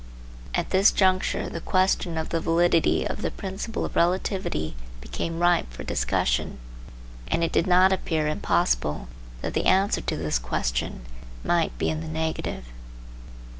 At this juncture the question of the validity of the principle of relativity became ripe for discussion, and it did not appear impossible that the answer to this question might be in the negative.